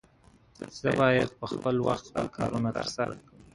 Funeral of Hale Johnson.